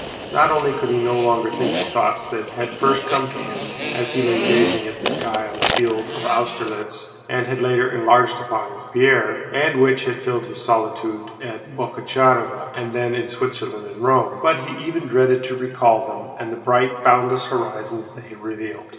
Not only could he no longer think the thoughts that had first come to him as he lay gazing at the sky on the field of Austerlitz and had later enlarged upon with Pierre, and which had filled his solitude at Boguchárovo and then in Switzerland and Rome, but he even dreaded to recall them and the bright and boundless horizons they had revealed.